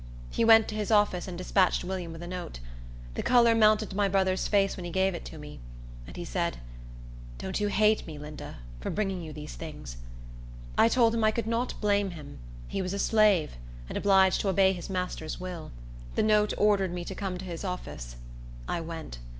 He went to his office, and despatched William with a note. The color mounted to my brother's face when he gave it to me; and he said, "Don't you hate me, Linda, for bringing you these things?" I told him I could not blame him; he was a slave, and obliged to obey his master's will. The note ordered me to come to his office. I went.